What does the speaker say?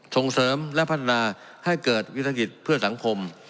ส่งเสริมและพัฒนาให้เกิดวิกฤตเพื่อสังคม